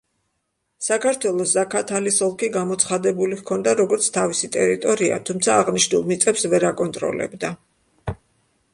საქართველოს ზაქათალის ოლქი გამოცხადებული ჰქონდა როგორც თავისი ტერიტორია, თუმცა აღნიშნულ მიწებს ვერ აკონტროლებდა.